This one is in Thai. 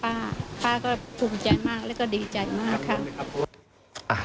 ป้าก็ภูมิใจมากและก็ดีใจมาก